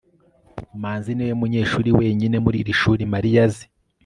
manzi niwe munyeshuri wenyine muri iri shuri mariya azi